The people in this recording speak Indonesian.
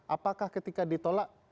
apakah ketika ditolak